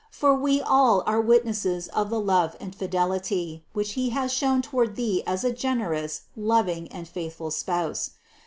For we all are witnesses of the love and fidelity, which He has shown toward thee as a generous, loving and faithful Spouse.